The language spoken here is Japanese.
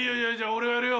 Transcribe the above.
俺がやるよ。